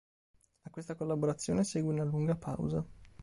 A questa collaborazione segue una lunga pausa.